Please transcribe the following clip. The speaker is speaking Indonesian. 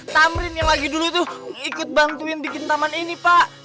tamrin yang lagi dulu tuh ikut bantuin bikin taman ini pak